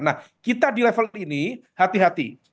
nah kita di level ini hati hati